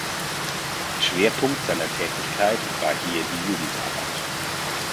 Schwerpunkt seiner Tätigkeit war hier die Jugendarbeit.